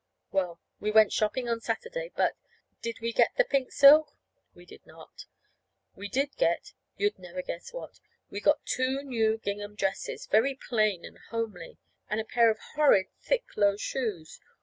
Well, we went shopping on Saturday, but did we get the pink silk? We did not. We did get you'd never guess what. We got two new gingham dresses, very plain and homely, and a pair of horrid, thick low shoes.